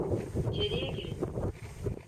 İçeriye girin.